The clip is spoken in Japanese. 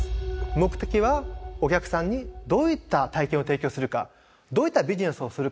目的はお客さんにどういった体験を提供するかどういったビジネスをするか。